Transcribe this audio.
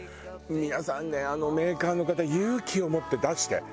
皆さんねメーカーの方勇気を持って出して。